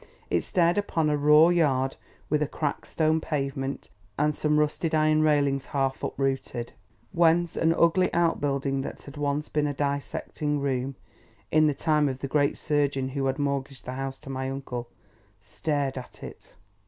It stared upon a raw yard, with a cracked stone pavement, and some rusted iron railings half uprooted, whence an ugly out building that had once been a dissecting room (in the time of the great surgeon who had mortgaged the house to my uncle), stared at it.